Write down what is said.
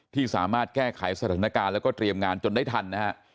ที่สามารถแก้ไขสถานการณ์แล้วก็เตรียมงานจนได้ทันนะฮะ